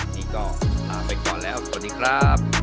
นี่ก็ลาไปก่อนแล้วสวัสดีครับ